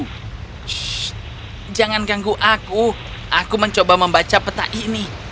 shh jangan ganggu aku aku mencoba membaca peta ini